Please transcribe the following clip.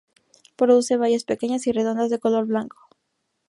Produce bayas pequeñas y redondas de color blanco.